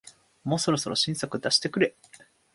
もうそろそろ新作出してくれ